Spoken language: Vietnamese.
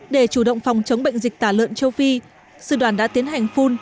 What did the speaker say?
để chủ động phòng chống bệnh dịch tả lợn châu phi sư đoàn đã tiến hành phun